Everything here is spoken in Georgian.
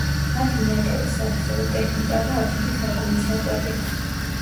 მათ მიატოვეს საბრძოლო ტექნიკა და ათობით ვაგონი საკვები.